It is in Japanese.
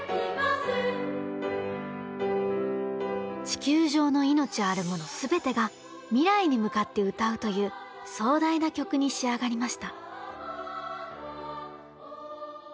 地球上の命あるもの全てが未来に向かって歌うという壮大な曲に仕上がりました。